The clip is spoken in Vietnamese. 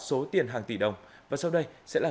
số tiền hàng tỷ đồng và sau đây sẽ là